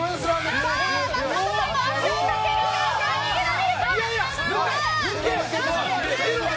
松本さんも足をかけるが逃げられるか？